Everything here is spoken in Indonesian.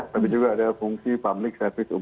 tapi juga ada fungsi publik